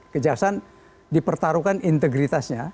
kejahatan dipertaruhkan integritasnya